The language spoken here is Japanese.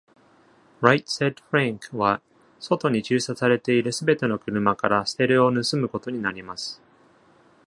Right Said Frank は、外に駐車されているすべての車からステレオを盗むことになります。